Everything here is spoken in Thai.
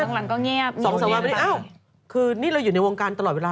หลังก็เงียบสองสาวไม่ได้อ้าวคือนี่เราอยู่ในวงการตลอดเวลา